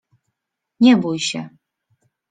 — Nie bój się.